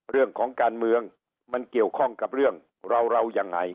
เรื่องของการเมืองมันเกี่ยวข้องกับเรื่องเราเรายังไง